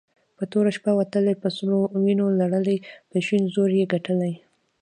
په توره شپه وتلې په سرو وينو لړلې په شين زور يي ګټلې